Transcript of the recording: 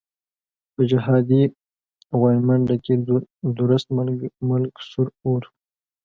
په جهادي غويمنډه کې درست ملک سور اور وو.